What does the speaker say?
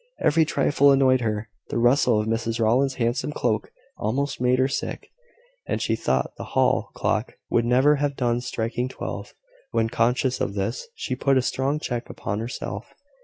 Every trifle annoyed her. The rustle of Mrs Rowland's handsome cloak almost made her sick; and she thought the hall clock would never have done striking twelve. When conscious of this, she put a strong check upon herself.